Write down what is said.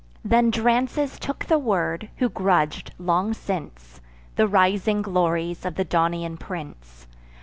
Then Drances took the word, who grudg'd, long since, The rising glories of the Daunian prince.